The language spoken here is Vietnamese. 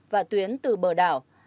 và tuyến từ bờ đảo